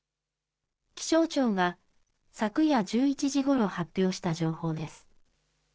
気象庁が昨夜１１時ごろ発表した情報です。